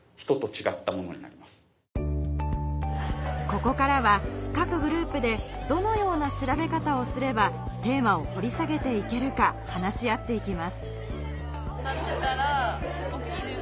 ここからは各グループでどのような調べ方をすればテーマを掘り下げて行けるか話し合って行きます